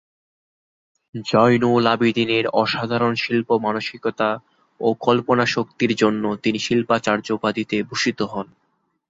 জয়নুল আবেদিনের অসাধারণ শিল্প- মানসিকতা ও কল্পনাশক্তির জন্য তিনি শিল্পাচার্য্য উপাধিতে ভূষিত হন।